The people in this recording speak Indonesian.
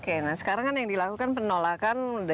oke nah sekarang kan yang dilakukan penolakan